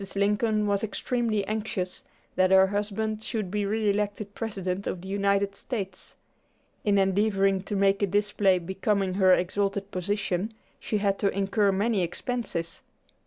Lincoln was extremely anxious that her husband should be re elected President of the United States. In endeavoring to make a display becoming her exalted position, she had to incur many expenses. Mr.